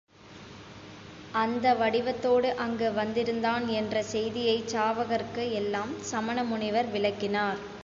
அந்த வடிவத்தோடு அங்கு வந்திருந்தான் என்ற செய்தியைச் சாவகர்க்கு எல்லாம் சமணமுனிவர் விளக்கினார்.